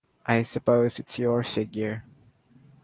I suppose it’s your figure.